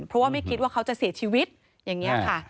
เพราะว่าไม่คิดว่าเขาจะเสียชีวิตอย่างนี้ค่ะ